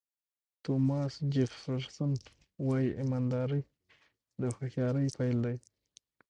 توماس جیفرسون وایي ایمانداري د هوښیارۍ پیل دی.